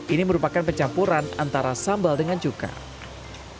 ini merupakan pencampuran antara sambal dengan cukai